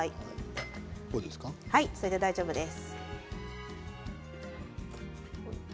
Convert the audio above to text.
それで大丈夫です。